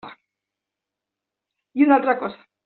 I una altra cosa.